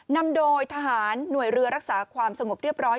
นำโดยทหารหน่วยเรือรักษาความสงบเรียบร้อย